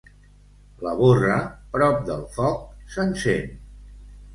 La borra prop del foc s'encén.